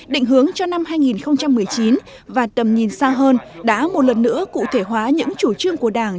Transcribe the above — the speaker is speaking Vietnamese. định hướng cho năm hai nghìn một mươi chín và tầm nhìn xa hơn đã một lần nữa cụ thể hóa những chủ trương của đảng